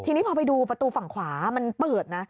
ทีนี้พอไปดูประตูฝั่งขวามันเปิดนะ